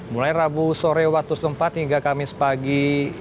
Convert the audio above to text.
mulai rabu sore waktu setempat hingga kamis pagi